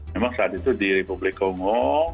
memang saat itu di republik kongo